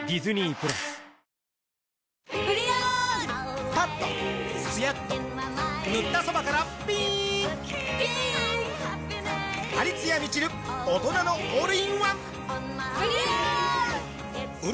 「プリオール」！